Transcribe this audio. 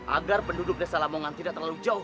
agar penduduk desa lamongan tidak terlalu jauh